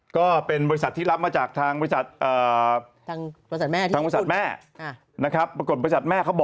ก็เป็นบริษัทที่รับมาจากทางบริษัททั้งเม้าะอยู่ตอนแม่นะครับราบบริษัทแม่เขา